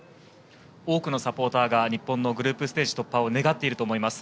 多くのサポーターが日本のグループステージ突破を願っていると思います。